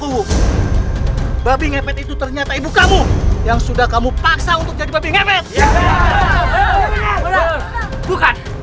tuh babi ngepet itu ternyata ibu kamu yang sudah kamu paksa untuk jadi babi ngepet bukan